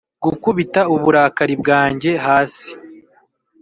gukubita uburakari bwanjye hasi